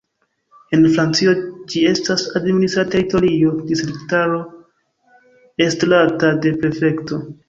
En Francio ĝi estas administra teritorio, distriktaro estrata de prefekto.